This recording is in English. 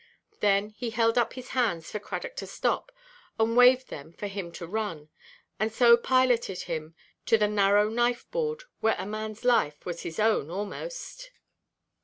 Then he held up his hands for Cradock to stop and waved them for him to run; and so piloted him to the narrow knife–board, "where a manʼs life was his own aʼmost."